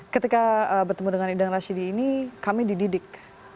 ketika bertemu dengan idang rashidi ini kami dididik